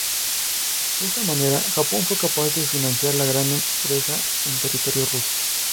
De esta manera Japón fue capaz de financiar la gran empresa en territorio ruso.